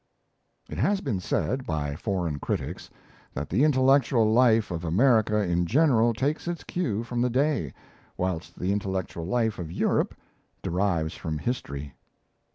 It has been said, by foreign critics, that the intellectual life of America in general takes its cue from the day, whilst the intellectual life of Europe derives from history.